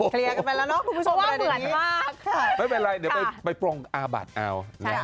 เคลียร์กันไปแล้วเนอะคุณผู้ชมอะไรอย่างนี้ไม่เป็นไรเดี๋ยวไปปรงอาบัติเอานะฮะ